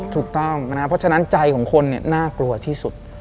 ถูกต้องนะเพราะฉะนั้นใจของคนน่ากลัวที่สุด